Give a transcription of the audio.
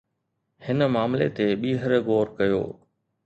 هن معاملي تي ٻيهر غور ڪيو